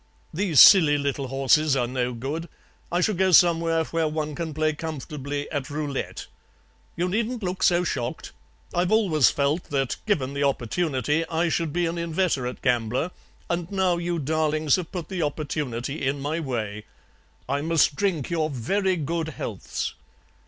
These silly little horses are no good. I shall go somewhere where one can play comfortably at roulette. You needn't look so shocked. I've always felt that, given the opportunity, I should be an inveterate gambler, and now you darlings have put the opportunity in my way. I must drink your very good healths.